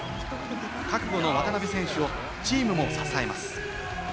覚悟の渡邊選手をチームも支えます。